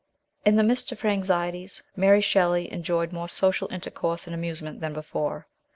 In the midst of her anxieties, Mary Shelley enjoyed more social intercourse and amuse ment than before.